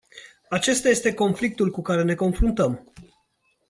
Acesta este conflictul cu care ne confruntăm.